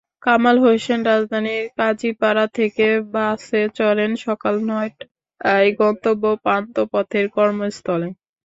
কামাল হোসেন রাজধানীর কাজীপাড়া থেকে বাসে চড়েন সকাল নয়টায়, গন্তব্য পান্থপথের কর্মস্থলে।